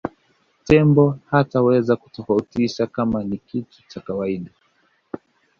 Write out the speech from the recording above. tembo hataweza kutofautisha kama ni kitu cha kawaida